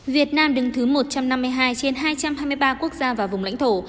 việt nam đứng thứ một trăm năm mươi hai trên hai trăm hai mươi ba quốc gia và vùng lãnh thổ